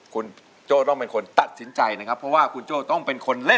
คุณโจ้ต้องเป็นคนตัดสินใจนะครับเพราะว่าคุณโจ้ต้องเป็นคนเล่น